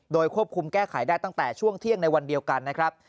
โดยควบคุมแก้ไขได้ตั้งแต่ช่วงเที่ยงในวันเดียวกันนะครับ